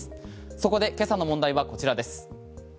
そこで今朝の問題はこちらです。